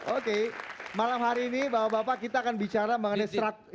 oke malam hari ini bapak bapak kita akan bicara mengenai strategi